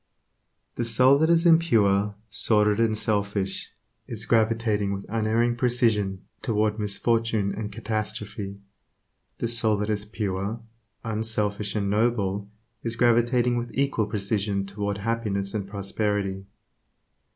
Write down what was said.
The soul that is impure, sordid and selfish, is gravitating with unerring precision toward misfortune and catastrophe; the soul that is pure, unselfish, and noble is gravitating with equal precision toward happiness and prosperity.